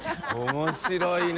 面白いね。